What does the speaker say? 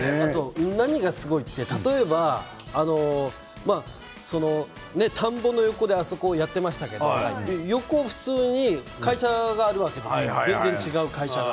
何がすごいって例えば、田んぼの横でやってましたけれども横には普通に会社があるわけですよ、全然違う会社が。